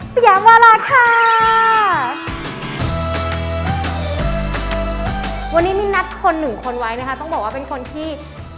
สยามวาลาค่ะวันนี้มีนัดคนหนึ่งคนไว้นะคะต้องบอกว่าเป็นคนที่